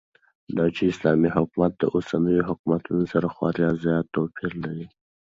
داچې اسلامي حكومت داوسنيو حكومتونو سره خورا زيات توپير لري